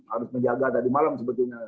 harus menjaga tadi malam sebetulnya